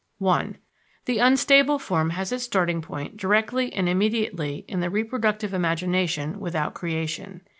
(1) The unstable form has its starting point directly and immediately in the reproductive imagination without creation.